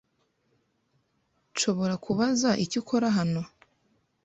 Nshobora kubaza icyo ukora hano?